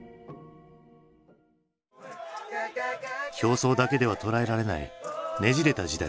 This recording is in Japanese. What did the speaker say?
表層だけでは捉えられないねじれた時代。